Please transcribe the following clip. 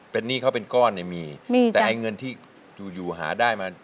เป็นหนี้เขาเป็นก้อนเนี่ยมีมีแต่ไอ้เงินที่อยู่อยู่หาได้มา